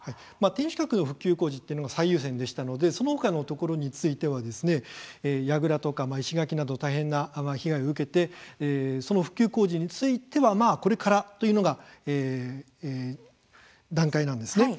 天守閣の復旧工事というのが最優先でしたのでそのほかのところについては櫓とか石垣など大変な被害を受けてその復旧工事についてはこれからというのが段階なんですね。